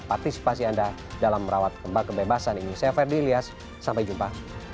partisipasi anda dalam merawat kembang kebebasan indonesia ferdi ilyas sampai jumpa